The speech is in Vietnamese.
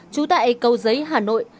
trú tại cầu giấy hà nội